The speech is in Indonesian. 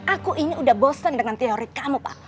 aku ini udah bosen dengan teori kamu pak